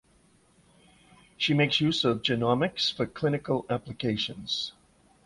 She makes use of genomics for clinical applications.